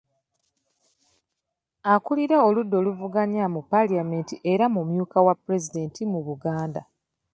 Akulira oludda oluvuganya mu paalamenti era omumyuka wa pulezidenti mu Buganda.